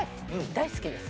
大好きです。